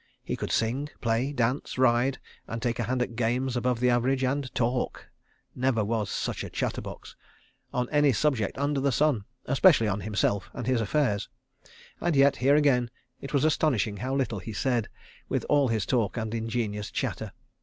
He could sing, play, dance, ride and take a hand at games above the average, and talk—never was such a chatter box—on any subject under the sun, especially on himself and his affairs. And yet, here again, it was astonishing how little he said, with all his talk and ingenious chatter.